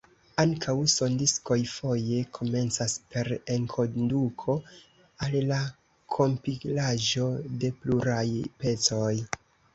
Ankaŭ sondiskoj foje komencas per enkonduko al la kompilaĵo de pluraj pecoj.